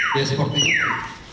biasa seperti itu